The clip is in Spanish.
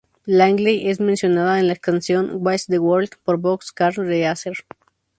Langley es mencionada en la canción "Watch the World" por Box Car Racer.